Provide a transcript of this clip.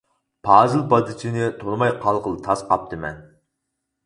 پازىل پادىچىنى تونۇماي قالغىلى تاس قاپتىمەن.